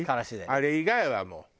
あれ以外はもう。